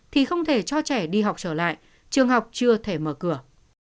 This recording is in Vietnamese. thì không thể cho trẻ đi học trở lại trường học chưa thể mở cửa